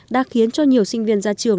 đã khiến cho nhiều sinh viên ra trường